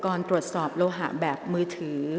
กรรมการท่านที่สี่ได้แก่กรรมการใหม่เลขเก้า